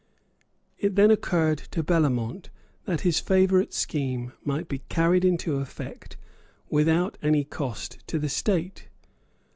It then occurred to Bellamont that his favourite scheme might be carried into effect without any cost to the state.